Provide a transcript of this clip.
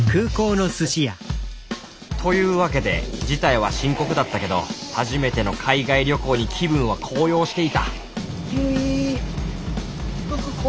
というわけで事態は深刻だったけど初めての海外旅行に気分は高揚していた結福子！